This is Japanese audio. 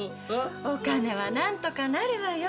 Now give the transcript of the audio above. お金は何とかなるわよ。